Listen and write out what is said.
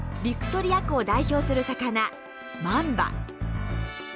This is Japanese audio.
ビクトリア湖を代表する魚マンバ。